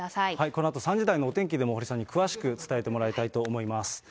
このあと３時台のお天気でも、堀さんに詳しく伝えてもらいたいと思います。